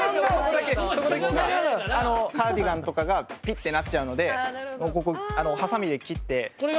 カーディガンとかがピッってなっちゃうのでここハサミで切って。